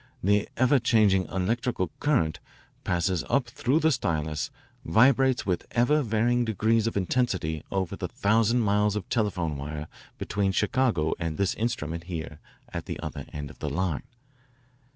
The ever changing electrical current passes up through the stylus, vibrates with ever varying degrees of intensity over the thousand miles of telephone wire between Chicago and this instrument here at the other end of the line.